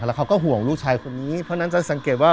แล้วเขาก็ห่วงลูกชายคนนี้เพราะฉะนั้นจะสังเกตว่า